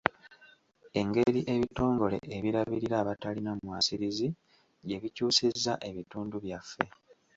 Engeri ebitongole ebirabirira abatalina mwasirizi gye bikyusizza ebitundu byaffe.